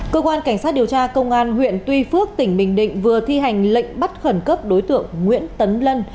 cơ quan cảnh sát điều tra công an huyện tuy phước tỉnh bình định vừa thi hành lệnh bắt khẩn cấp đối tượng nguyễn tấn lân